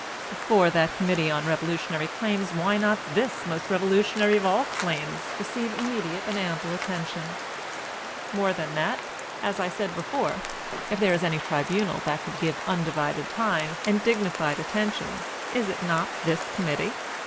"Before that Committee on Revolutionary Claims why could not this most revolutionary of all claims receive immediate and ample attention? More than that, as I said before, if there is any tribunal that could give undivided time and dignified attention, is it not this committee?